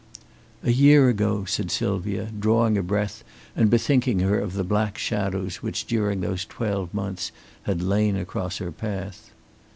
"A year ago," said Sylvia, drawing a breath and bethinking her of the black shadows which during those twelve months had lain across her path.